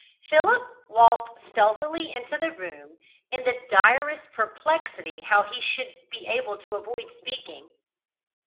Philip walked stealthily into the room, in the direst perplexity how he should be able to avoid speaking.